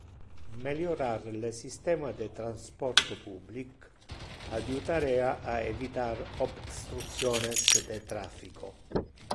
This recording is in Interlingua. Meliorar le systema de transporto public adjutarea a evitar obstructiones de traffico.